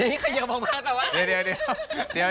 อันนี้เคยเยอะมากหรือเปล่า